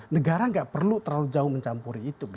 negara tidak perlu terlalu jauh mencampuri itu